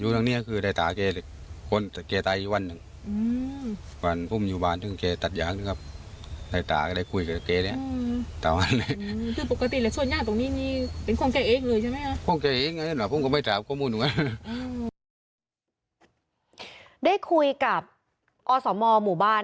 ได้คุยกับอสมหมู่บ้านนะครับคุณสุภาษณ์ครับ